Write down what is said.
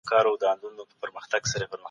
د پوهي په رڼا کي ټولي ستونزي حل کېدای سي.